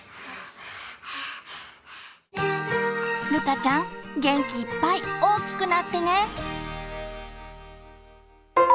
かちゃん元気いっぱい大きくなってね。